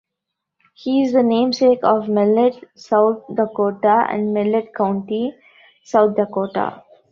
He is the namesake of Mellette, South Dakota and Mellette County, South Dakota.